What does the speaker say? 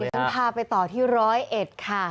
เดี๋ยวก็พาไปต่อที่ร้อยเอ็ดค่ะ